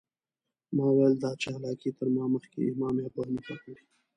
ما ویل دا چالاکي تر ما مخکې امام ابوحنیفه کړې.